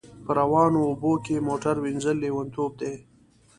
په روانو اوبو کښی موټر وینځل لیونتوب دی